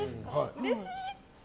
うれしい！